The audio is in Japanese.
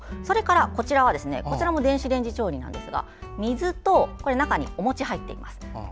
それから、こちらも電子レンジ調理なんですが水と、中にお餅が入っています。